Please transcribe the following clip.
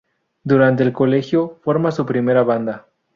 Durante el colegio, forma su primera banda.